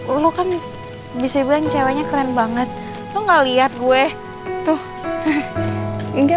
hai lu kan bisa bilang ceweknya keren banget lu nggak lihat gue tuh enggak